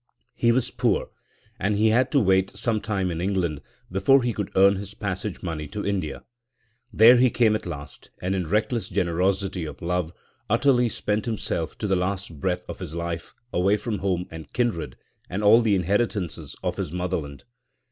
He was poor, and he had to wait some time in England before he could earn his passage money to India. There he came at last, and in reckless generosity of love utterly spent himself to the last breath of his life, away from home and kindred and all the inheritances of his motherland.